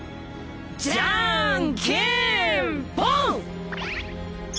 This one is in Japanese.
じゃんけんポン！